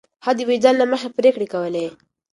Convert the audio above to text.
هغه د وجدان له مخې پرېکړې کولې.